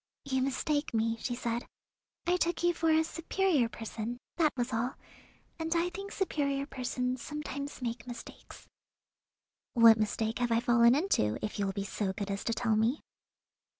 "You mistake me," she said. "I took you for a superior person, that was all, and I think superior persons sometimes make mistakes." "What mistake have I fallen into, if you will be so good as to tell me?"